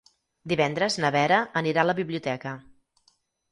Divendres na Vera anirà a la biblioteca.